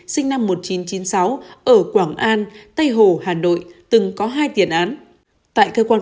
sinh năm một nghìn chín trăm chín mươi sáu ở quảng an tây hồ hà nội từng có hai tiền án